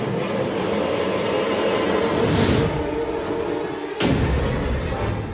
มึง